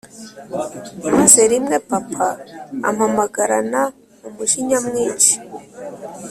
maze rimwe papa ampamagarana umujinya mwinshi